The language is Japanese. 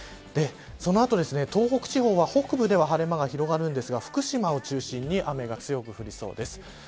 その後、東北地方は北部では晴れ間が広がるんですが福島を中心に雨が強く降りそうです。